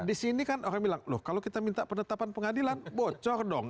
di sini kan orang bilang loh kalau kita minta penetapan pengadilan bocor dong